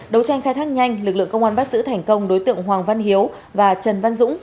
đấu tranh khai thác nhanh lực lượng công an bắt giữ thành công đối tượng hoàng văn hiếu và trần văn dũng